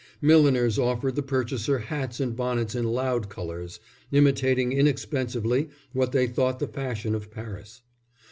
Milliners offered the purchaser hats and bonnets in loud colours, imitating inexpensively what they thought the fashion of Paris.